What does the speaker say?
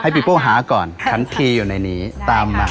พี่โป้หาก่อนฉันทีอยู่ในนี้ตามมา